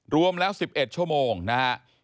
รวมแล้ว๑๑ชั่วโมงนะฮะ